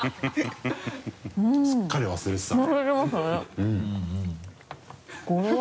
すっかり忘れてたね。